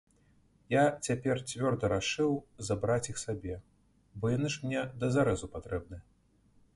Я цяпер цвёрда рашыў забраць іх сабе, бо яны ж мне да зарэзу патрэбны.